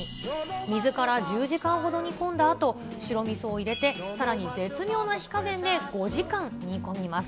水から１０時間ほど煮込んだあと、白みそを入れて、さらに絶妙な火加減で５時間煮込みます。